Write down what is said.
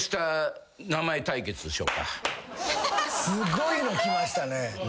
すごいのきましたね。